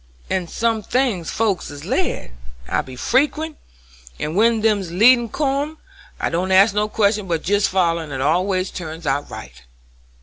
"In some things folks is led; I be frequent, and when them leadin's come I don't ask no questions but jest foller, and it always turns out right."